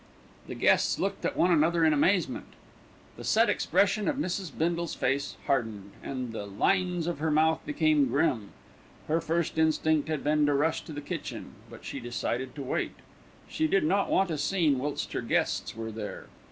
The guests looked at one another in amazement. The set expression of Mrs. Bindle's face hardened, and the lines of her mouth became grim. Her first instinct had been to rush to the kitchen; but she decided to wait. She did not want a scene whilst her guests were there.